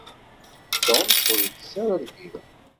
Tom ur itess ara lbira.